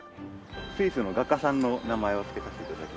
スイスの画家さんの名前を付けさせて頂きました。